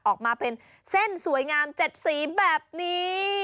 ออกมาเป็นเส้นสวยงาม๗สีแบบนี้